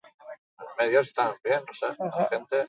Diziplina askotan jardun zuen artistak, denetan bikain, gainera.